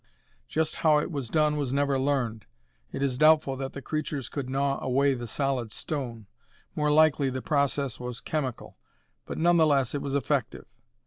Just how it was done was never learned. It is doubtful that the creatures could gnaw away the solid stone more likely the process was chemical, but none the less it was effective.